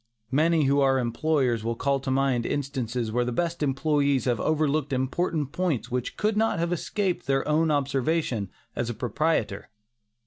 Many who are employers will call to mind instances where the best employees have overlooked important points which could not have escaped their own observation as a proprietor.